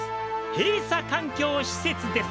閉鎖環境施設です」。